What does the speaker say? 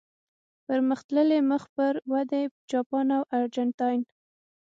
پرمختللي، مخ پر ودې، جاپان او ارجنټاین.